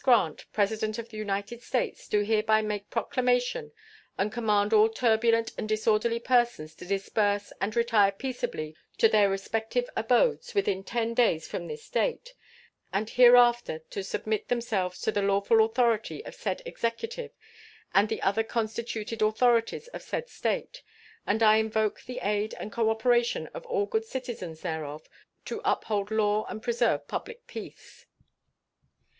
Grant, President of the United States, do hereby make proclamation and command all turbulent and disorderly persons to disperse and retire peaceably to their respective abodes within ten days from this date, and hereafter to submit themselves to the lawful authority of said executive and the other constituted authorities of said State; and I invoke the aid and cooperation of all good citizens thereof to uphold law and preserve public peace.